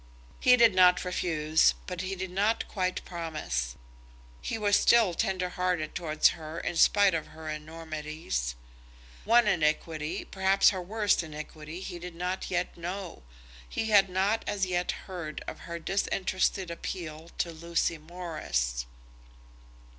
He did not refuse, but he did not quite promise. He was still tender hearted towards her in spite of her enormities. One iniquity, perhaps her worst iniquity, he did not yet know. He had not as yet heard of her disinterested appeal to Lucy Morris.